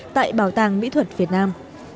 tại bảo tàng mỹ thuật việt nam